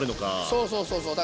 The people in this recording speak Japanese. そうそうそうそう。